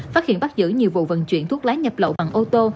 phát hiện bắt giữ nhiều vụ vận chuyển thuốc lá nhập lậu bằng ô tô